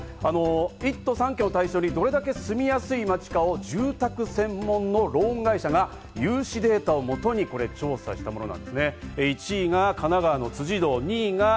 １都３県を対象にどれだけ住みやすい街かを住宅専門のローン会社が融資データをもとに調査したものなんですね。